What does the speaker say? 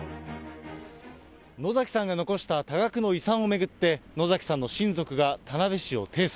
野崎さんが残した多額の遺産を巡って、野崎さんの親族が田辺市を提訴。